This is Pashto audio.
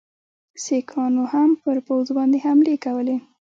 سیکهانو هم پر پوځ باندي حملې کولې.